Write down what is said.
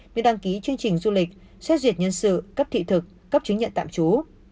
như đăng ký chương trình du lịch xét duyệt nhân sự cấp thị thực cấp chứng nhận tạm trú